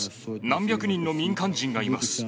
何百人の民間人がいます。